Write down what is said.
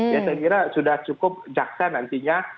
ya saya kira sudah cukup jaksa nantinya